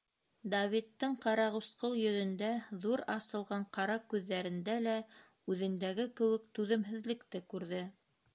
Давидтың ҡарағусҡыл йөҙөндә, ҙур асылған ҡара күҙҙәрендә лә үҙендәге кеүек түҙемһеҙлекте күрҙе.